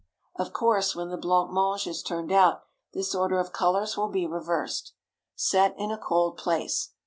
Of course, when the blanc mange is turned out, this order of colors will be reversed. Set in a cold place.